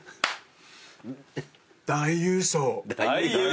大優勝？